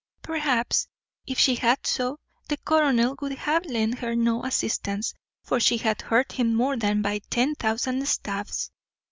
Perhaps, if she had so, the colonel would have lent her no assistance, for she had hurt him more than by ten thousand stabs.